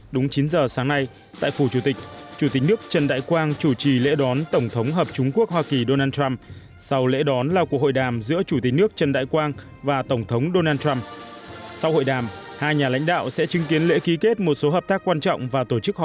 sáng một mươi hai tháng một mươi một lễ đón chính thức tổng thống hợp chúng quốc hoa kỳ đã diễn ra trọng thể tại phủ chủ tịch